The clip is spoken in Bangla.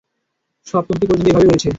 সপ্তমটি পর্যন্ত এভাবেই রয়েছে।